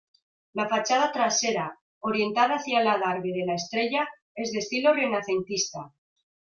La fachada trasera, orientada hacia el adarve de la Estrella, es de estilo renacentista.